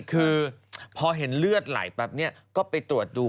คือพอเห็นเลือดไหลปั๊บเนี่ยก็ไปตรวจดู